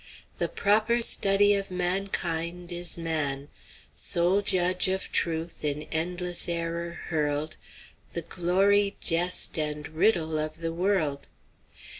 'The proper study of mankind is man. Sole judge of truth, in endless error hurled, The glory, jest, and riddle of the world.'